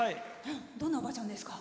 どんなおばあちゃんですか？